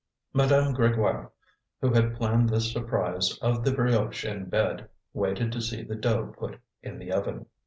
Madame Grégoire, who had planned this surprise of the brioche in bed, waited to see the dough put in the oven.